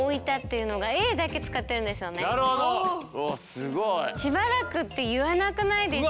すごい！「しばらく」って言わなくないですか？